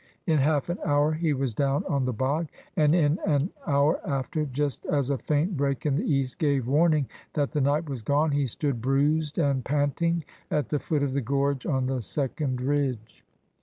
In half an hour he was down on the bog and in an hour after, just as a faint break in the east gave warning that the night was gone, he stood bruised and panting at the foot of the gorge on the second ridge.